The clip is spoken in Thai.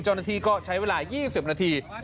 เจ้าหน้าที่ก็ใช้เวลา๒๐นาที